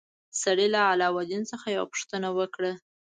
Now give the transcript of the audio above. سړي له علاوالدین څخه یوه پوښتنه وکړه.